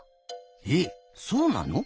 えっそうなの？